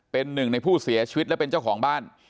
เป็นหนึ่งในผู้เสียชีวิตและเป็นเจ้าของบ้าน